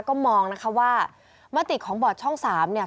ก็มองนะคะว่ามติของบอร์ดช่อง๓เนี่ย